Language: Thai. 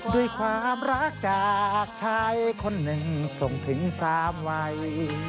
ด้วยความรักจากชายคนหนึ่งส่งถึง๓วัย